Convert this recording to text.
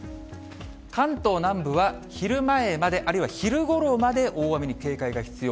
関東南部は昼前まで、あるいは昼ごろまで大雨に警戒が必要。